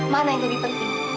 mana yang lebih penting